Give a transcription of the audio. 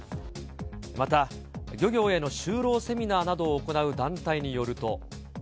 また、漁業への就労セミナーなどを行う団体によると。